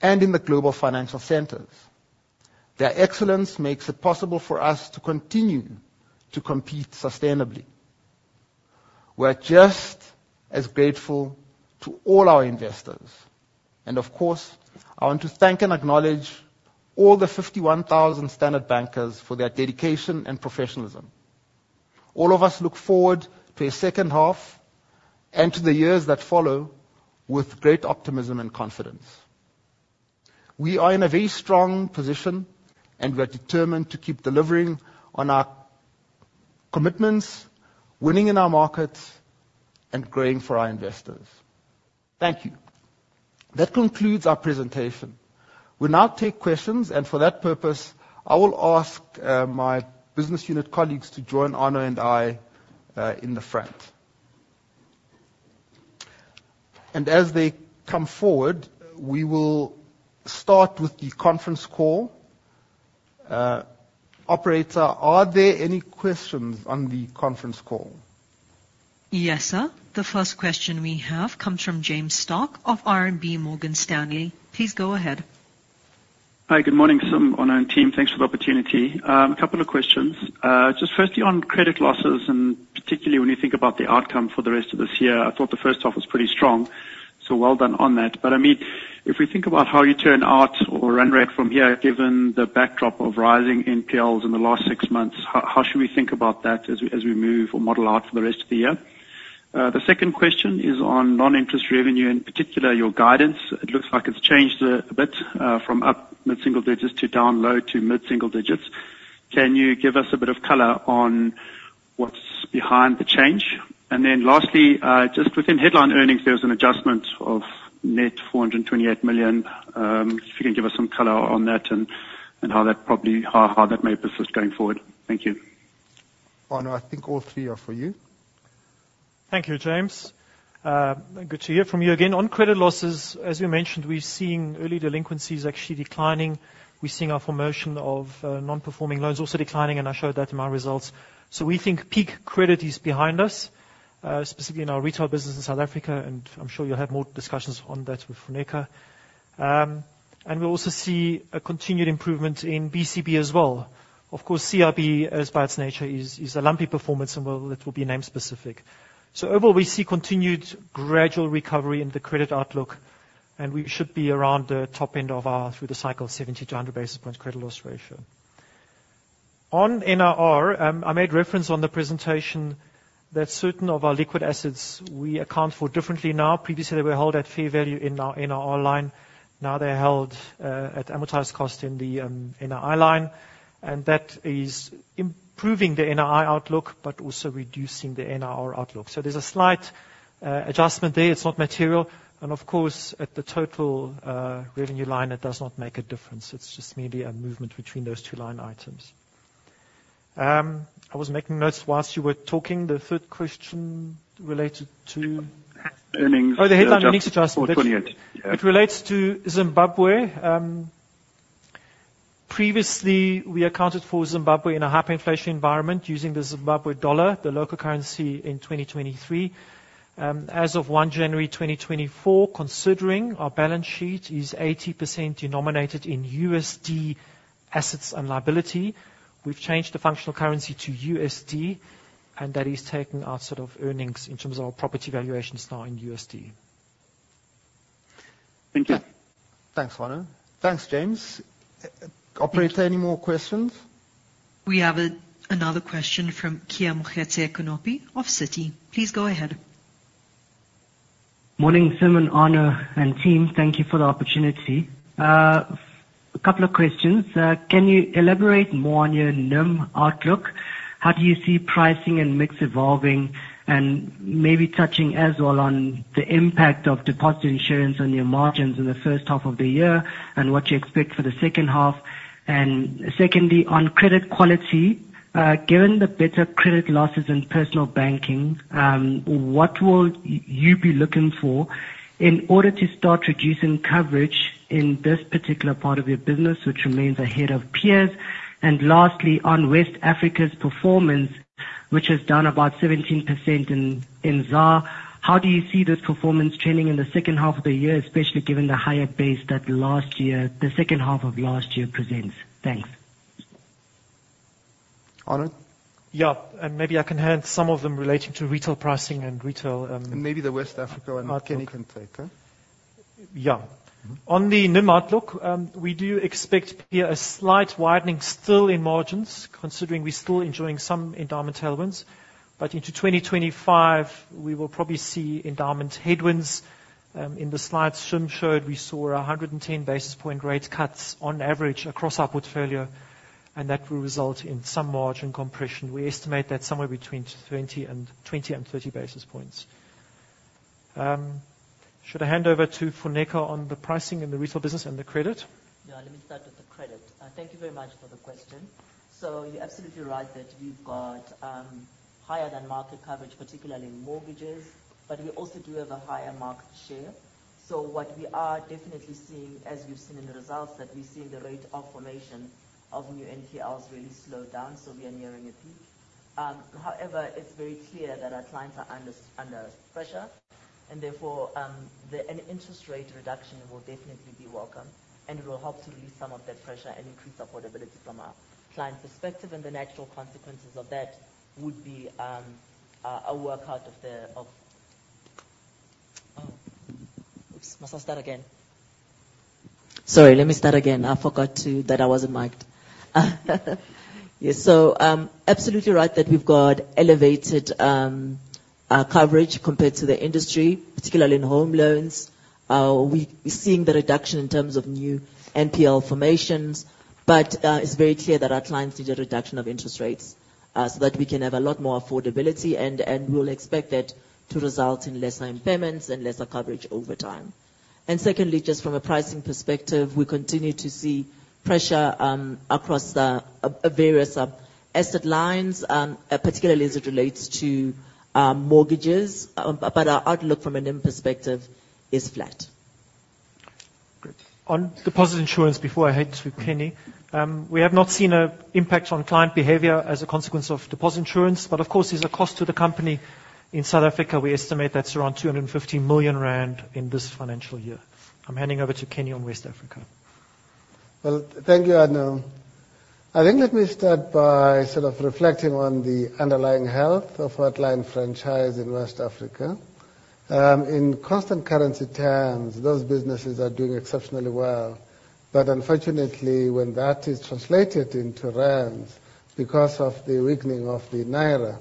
Speaker 1: and in the global financial centers. Their excellence makes it possible for us to continue to compete sustainably. We're just as grateful to all our investors. And of course, I want to thank and acknowledge all the 51,000 Standard Bankers for their dedication and professionalism... All of us look forward to a second half and to the years that follow with great optimism and confidence. We are in a very strong position, and we are determined to keep delivering on our commitments, winning in our markets, and growing for our investors. Thank you. That concludes our presentation. We'll now take questions, and for that purpose, I will ask my business unit colleagues to join Arno and I in the front. And as they come forward, we will start with the conference call. Operator, are there any questions on the conference call?
Speaker 3: Yes, sir. The first question we have comes from James Starke of RMB Morgan Stanley. Please go ahead.
Speaker 4: Hi, good morning, Sim, Arno, and team. Thanks for the opportunity. A couple of questions. Just firstly, on credit losses, and particularly when you think about the outcome for the rest of this year. I thought the first half was pretty strong, so well done on that. I mean, if we think about how you turn out or run rate from here, given the backdrop of rising NPLs in the last six months, how should we think about that as we move or model out for the rest of the year? The second question is on non-interest revenue, in particular, your guidance. It looks like it's changed a bit, from up mid-single digits to down low to mid-single digits. Can you give us a bit of color on what's behind the change? And then lastly, just within headline earnings, there was an adjustment of net 428 million. If you can give us some color on that and how that probably may persist going forward. Thank you.
Speaker 1: Arno, I think all three are for you.
Speaker 2: Thank you, James. Good to hear from you again. On credit losses, as you mentioned, we're seeing early delinquencies actually declining. We're seeing our formation of non-performing loans also declining, and I showed that in my results. So we think peak credit is behind us, specifically in our retail business in South Africa, and I'm sure you'll have more discussions on that with Funeka. And we also see a continued improvement in BCB as well. Of course, CIB, as by its nature, is a lumpy performance and well, it will be name-specific. So overall, we see continued gradual recovery in the credit outlook, and we should be around the top end of our through the cycle 70-100 basis points credit loss ratio. On NRR, I made reference on the presentation that certain of our liquid assets we account for differently now. Previously, they were held at fair value in our NRR line. Now they're held at amortized cost in the NII line, and that is improving the NII outlook but also reducing the NRR outlook. So there's a slight adjustment there. It's not material, and of course, at the total revenue line, it does not make a difference. It's just mainly a movement between those two line items. I was making notes whilst you were talking. The third question related to-
Speaker 4: Earnings.
Speaker 2: Oh, the headline unique adjustment.
Speaker 4: Yeah.
Speaker 2: It relates to Zimbabwe. Previously, we accounted for Zimbabwe in a hyperinflation environment using the Zimbabwe dollar, the local currency in 2023. As of 1 January 2024, considering our balance sheet is 80% denominated in USD assets and liability, we've changed the functional currency to USD, and that is taking out sort of earnings in terms of our property valuation now in USD.
Speaker 4: Thank you.
Speaker 1: Thanks, Arno. Thanks, James. Operator, any more questions?
Speaker 3: We have another question from Keamogetse Konopi of Citi. Please go ahead.
Speaker 5: Morning, Sim and Arno and team. Thank you for the opportunity. A couple of questions. Can you elaborate more on your NIM outlook? How do you see pricing and mix evolving? And maybe touching as well on the impact of deposit insurance on your margins in the first half of the year and what you expect for the second half. And secondly, on credit quality, given the better credit losses in personal banking, what will you be looking for in order to start reducing coverage in this particular part of your business, which remains ahead of peers? And lastly, on West Africa's performance, which is down about 17% in ZAR, how do you see this performance trending in the second half of the year, especially given the higher base that last year, the second half of last year presents? Thanks.
Speaker 1: Arno?
Speaker 2: Yeah, and maybe I can handle some of them relating to retail pricing and retail.
Speaker 1: Maybe the West Africa one-
Speaker 2: Okay.
Speaker 1: You can take.
Speaker 2: Yeah. On the NIM outlook, we do expect here a slight widening still in margins, considering we're still enjoying some endowment tailwinds. But into 2025, we will probably see endowment headwinds. In the slides Sim showed, we saw 110 basis point rate cuts on average across our portfolio, and that will result in some margin compression. We estimate that somewhere between 20 and 30 basis points. Should I hand over to Funeka on the pricing and the retail business and the credit?
Speaker 6: Yeah, let me start with the credit. Thank you very much for the question. So you're absolutely right that we've got higher than market coverage, particularly in mortgages, but we also do have a higher market share. So what we are definitely seeing, as you've seen in the results, that we're seeing the rate of formation of new NPLs really slow down, so we are nearing a peak. However, it's very clear that our clients are under pressure, and therefore, an interest rate reduction will definitely be welcome and will help to relieve some of that pressure and increase affordability from a client perspective, and the natural consequences of that would be a workout of the... Oops, must I start again? Sorry, let me start again. I forgot to, that I wasn't miked. Yes, so, absolutely right, that we've got elevated, coverage compared to the industry, particularly in home loans. We're seeing the reduction in terms of new NPL formations, but, it's very clear that our clients need a reduction of interest rates, so that we can have a lot more affordability and, and we'll expect that to result in lesser impairments and lesser coverage over time. And secondly, just from a pricing perspective, we continue to see pressure, across the, various, asset lines, particularly as it relates to, mortgages. But our outlook from a NIM perspective is flat.
Speaker 2: Great. On deposit insurance, before I hand to Kenny, we have not seen an impact on client behavior as a consequence of deposit insurance, but of course, there's a cost to the company. In South Africa, we estimate that's around 250 million rand in this financial year. I'm handing over to Kenny on West Africa.
Speaker 7: Well, thank you, Arno. I think let me start by sort of reflecting on the underlying health of our client franchise in West Africa. In constant currency terms, those businesses are doing exceptionally well. But unfortunately, when that is translated into rands, because of the weakening of the naira,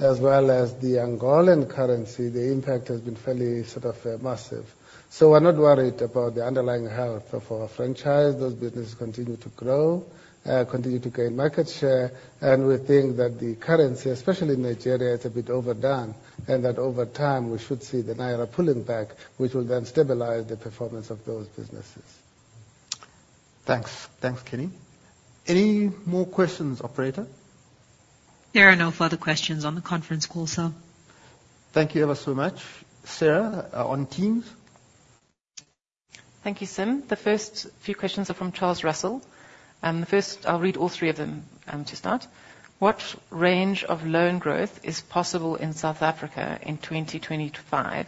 Speaker 7: as well as the Angolan currency, the impact has been fairly sort of massive. So we're not worried about the underlying health of our franchise. Those businesses continue to grow, continue to gain market share, and we think that the currency, especially in Nigeria, is a bit overdone, and that over time, we should see the naira pulling back, which will then stabilize the performance of those businesses. Thanks.
Speaker 1: Thanks, Kenny. Any more questions, operator?
Speaker 3: There are no further questions on the conference call, sir.
Speaker 1: Thank you ever so much. Sarah, on Teams?
Speaker 8: Thank you, Sim. The first few questions are from Charles Russell. I'll read all three of them, to start. What range of loan growth is possible in South Africa in 2025,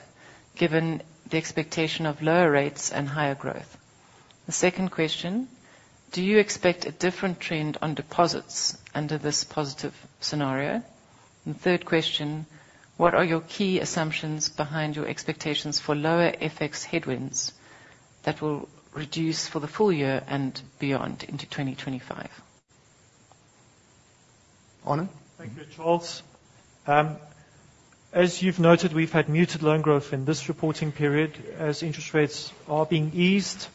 Speaker 8: given the expectation of lower rates and higher growth? The second question: Do you expect a different trend on deposits under this positive scenario? And third question: What are your key assumptions behind your expectations for lower FX headwinds that will reduce for the full year and beyond, into 2025?
Speaker 1: Arno?
Speaker 2: Thank you, Charles. As you've noted, we've had muted loan growth in this reporting period as interest rates are being eased.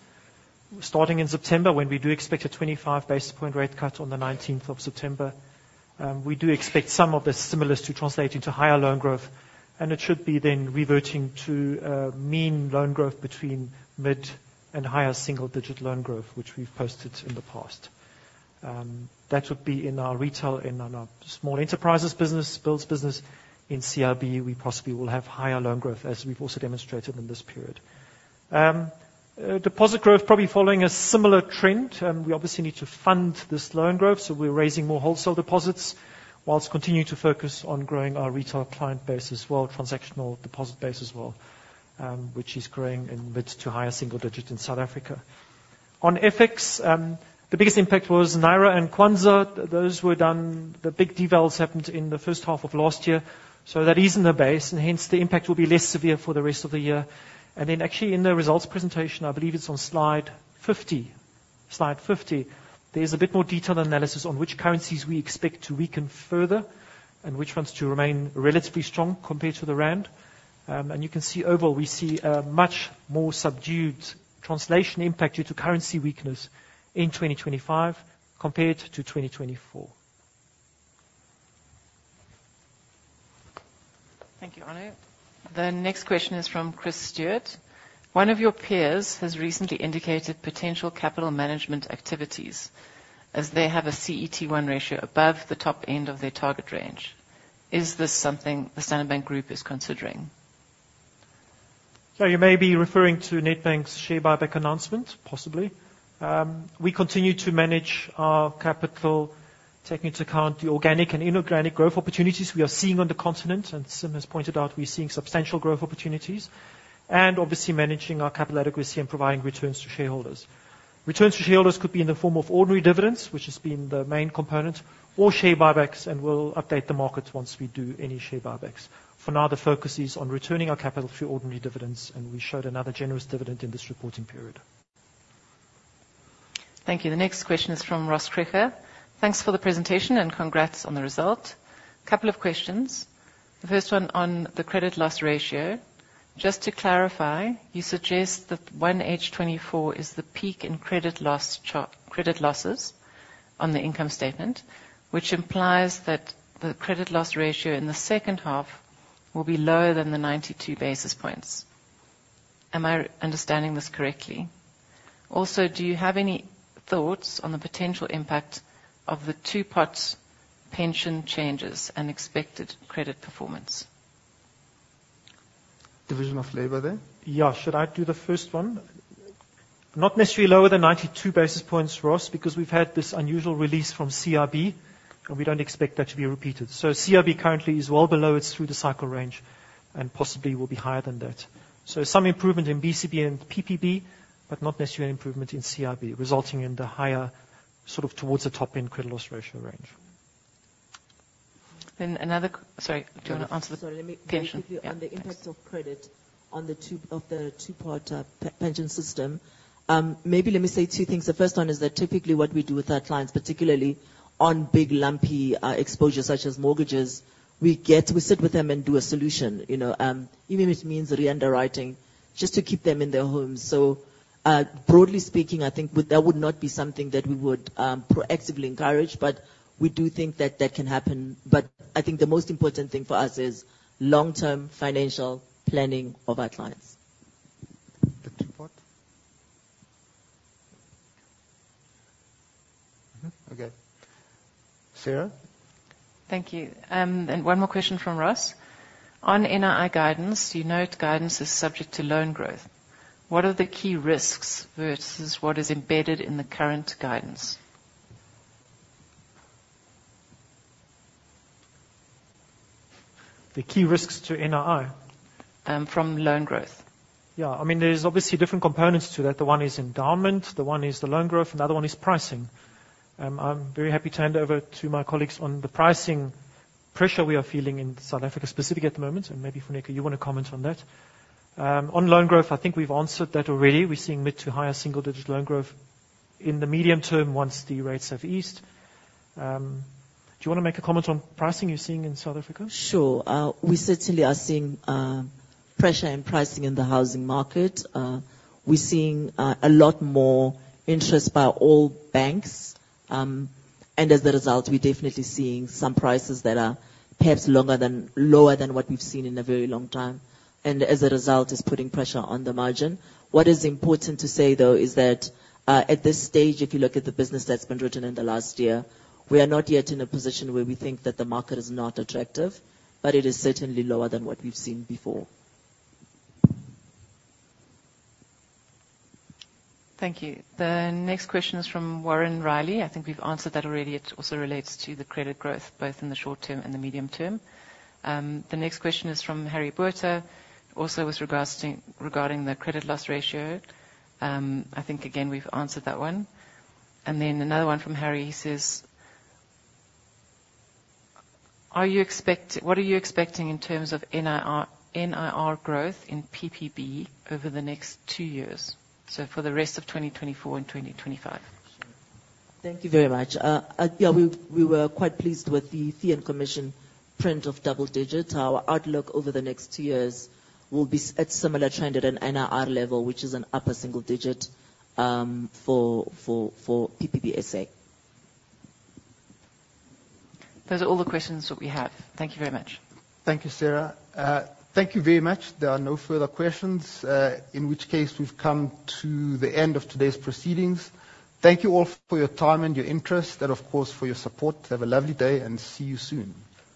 Speaker 2: Starting in September, when we do expect a 25 basis point rate cut on the nineteenth of September, we do expect some of the stimulus to translate into higher loan growth, and it should be then reverting to mean loan growth between mid and higher single-digit loan growth, which we've posted in the past. That would be in our retail and on our small enterprises business, builds business. In CIB, we possibly will have higher loan growth, as we've also demonstrated in this period. Deposit growth, probably following a similar trend, we obviously need to fund this loan growth, so we're raising more wholesale deposits while continuing to focus on growing our retail client base as well, transactional deposit base as well, which is growing in mid to higher single digits in South Africa. On FX, the biggest impact was naira and kwanza. Those were done, the big devals happened in the first half of last year, so that is in the base, and hence, the impact will be less severe for the rest of the year. Actually, in the results presentation, I believe it's on slide 50. Slide 50, there's a bit more detailed analysis on which currencies we expect to weaken further and which ones to remain relatively strong compared to the rand. You can see overall, we see a much more subdued translation impact due to currency weakness in 2025 compared to 2024.
Speaker 8: Thank you, Arno. The next question is from Chris Stewart. One of your peers has recently indicated potential capital management activities, as they have a CET1 ratio above the top end of their target range. Is this something the Standard Bank Group is considering?
Speaker 2: So you may be referring to Nedbank's share buyback announcement, possibly. We continue to manage our capital, taking into account the organic and inorganic growth opportunities we are seeing on the continent. And Sim has pointed out, we're seeing substantial growth opportunities and obviously managing our capital adequacy and providing returns to shareholders. Returns to shareholders could be in the form of ordinary dividends, which has been the main component or share buybacks, and we'll update the market once we do any share buybacks. For now, the focus is on returning our capital through ordinary dividends, and we showed another generous dividend in this reporting period.
Speaker 8: Thank you. The next question is from Ross Krige. Thanks for the presentation and congrats on the result. Couple of questions. The first one on the credit loss ratio. Just to clarify, you suggest that 1H 2024 is the peak in credit losses on the income statement, which implies that the credit loss ratio in the second half will be lower than the 92 basis points. Am I understanding this correctly? Also, do you have any thoughts on the potential impact of the Two-Pot pension changes and expected credit performance?
Speaker 7: Division of labor there?
Speaker 2: Yeah. Should I do the first one? Not necessarily lower than 92 basis points, Ross, because we've had this unusual release from CIB, and we don't expect that to be repeated. So CIB currently is well below its through-the-cycle range and possibly will be higher than that. So some improvement in BCB and PPB, but not necessarily an improvement in CIB, resulting in the higher, sort of, towards the top-end credit loss ratio range....
Speaker 8: sorry, do you want to answer the-
Speaker 6: Sorry, let me quickly-
Speaker 8: Yeah.
Speaker 6: On the impact of credit on the Two-Pot pension system. Maybe let me say two things. The first one is that typically what we do with our clients, particularly on big, lumpy exposure, such as mortgages, we sit with them and do a solution, you know, even if it means re-underwriting, just to keep them in their homes. So, broadly speaking, I think that would not be something that we would proactively encourage, but we do think that that can happen. But I think the most important thing for us is long-term financial planning of our clients.
Speaker 1: The Two-Pot? Mm-hmm, okay. Sarah?
Speaker 8: Thank you. One more question from Ross. On NII guidance, you note guidance is subject to loan growth. What are the key risks versus what is embedded in the current guidance?
Speaker 2: The key risks to NII?
Speaker 8: From loan growth.
Speaker 2: Yeah. I mean, there's obviously different components to that. The one is endowment, the one is the loan growth, and the other one is pricing. I'm very happy to hand over to my colleagues on the pricing pressure we are feeling in South Africa, specifically at the moment, and maybe, Funeka, you want to comment on that. On loan growth, I think we've answered that already. We're seeing mid to higher single-digit loan growth in the medium term once the rates have eased. Do you want to make a comment on pricing you're seeing in South Africa?
Speaker 6: Sure. We certainly are seeing pressure in pricing in the housing market. We're seeing a lot more interest by all banks. And as a result, we're definitely seeing some prices that are perhaps lower than what we've seen in a very long time, and as a result, it's putting pressure on the margin. What is important to say, though, is that at this stage, if you look at the business that's been written in the last year, we are not yet in a position where we think that the market is not attractive, but it is certainly lower than what we've seen before.
Speaker 8: Thank you. The next question is from Warren Riley. I think we've answered that already. It also relates to the credit growth, both in the short term and the medium term. The next question is from Harry Botha, also with regards to, regarding the credit loss ratio. I think, again, we've answered that one. And then another one from Harry. He says: What are you expecting in terms of NIR, NIR growth in PPB over the next two years, so for the rest of 2024 and 2025?
Speaker 6: Thank you very much. Yeah, we were quite pleased with the fee and commission trend of double digits. Our outlook over the next two years will be at similar trend at an NIR level, which is an upper single digit, for PPBSA.
Speaker 8: Those are all the questions that we have. Thank you very much.
Speaker 1: Thank you, Sarah. Thank you very much. There are no further questions, in which case we've come to the end of today's proceedings. Thank you all for your time and your interest, and, of course, for your support. Have a lovely day, and see you soon.